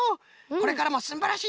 これからもすんばらしい